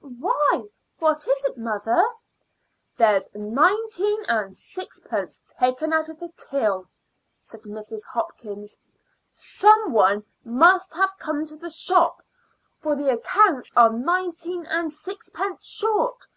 "Why, what is it, mother?" "There's nineteen and sixpence taken out of the till," said Mrs. Hopkins. "Some one must have come into the shop, for the accounts are nineteen and sixpence short.